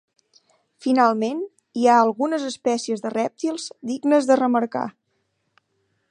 Finalment, hi ha algunes espècies de rèptils dignes de remarcar.